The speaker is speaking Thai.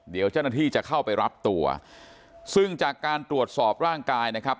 เดี๋ยวเจ้าหน้าที่จะเข้าไปรับตัวซึ่งจากการตรวจสอบร่างกายนะครับ